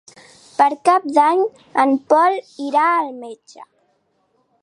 Per Cap d'Any en Pol irà al metge.